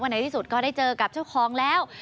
ในที่สุดก็ได้เจอกับเจ้าของแล้ว